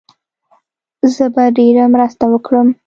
زه به ډېره مرسته وکړم.